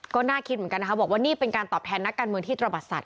ก็น่าคิดเหมือนกันนะคะบอกว่านี่เป็นการตอบแทนนักการเมืองที่ตระบัดสัตว